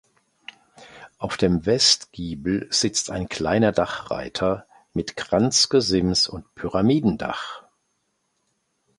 Auf dem Westgiebel sitzt ein kleiner Dachreiter mit Kranzgesims und Pyramidendach.